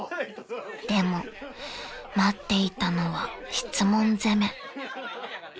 ［でも待っていたのは質問攻め］